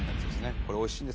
これおいしいんです